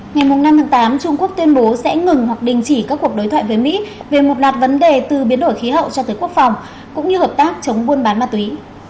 ngày năm tháng tám trung quốc tuyên bố sẽ ngừng hoặc đình chỉ các cuộc đối thoại với mỹ về một loạt vấn đề từ biến đổi khí hậu cho tới quốc phòng cũng như hợp tác chống buôn bán ma túy